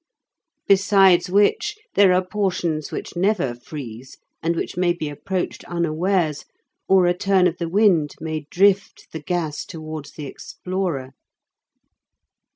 Besides which, there are portions which never freeze, and which may be approached unawares, or a turn of the wind may drift the gas towards the explorer.